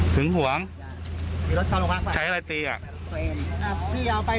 ถึงห่วงใช้อะไรตีอ่ะ